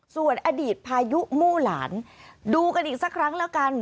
ส่วนอดีตพายุมู่หลานดูกันอีกสักครั้งแล้วกัน